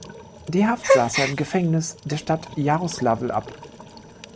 Die Haft saß er im Gefängnis der Stadt Jaroslawl ab.